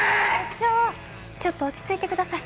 所長ちょっと落ち着いてください